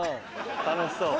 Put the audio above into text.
楽しそう。